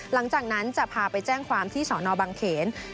หลังจากนั้นจะพาไปแจ้งความที่สอนอบังเขน